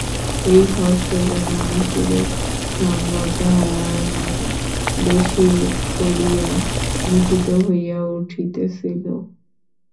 এই হর্ষ যেন নিষেধের সংঘাত-দ্বারাই বেশি করিয়া মথিত হইয়া উঠিতেছিল।